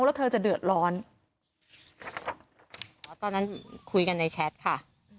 แล้วเธอจะเดือดร้อนอ๋อตอนนั้นคุยกันในแชทค่ะ